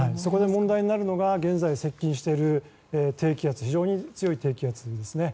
問題になるのが現在接近している非常に強い低気圧です。